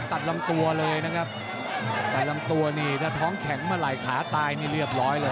ตัดลำตัวเลยนะครับแต่ลำตัวนี่ถ้าท้องแข็งเมื่อไหร่ขาตายนี่เรียบร้อยเลย